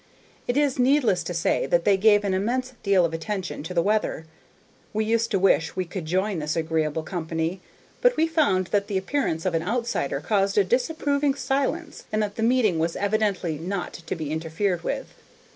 It is needless to say that they gave an immense deal of attention to the weather. We used to wish we could join this agreeable company, but we found that the appearance of an outsider caused a disapproving silence, and that the meeting was evidently not to be interfered with.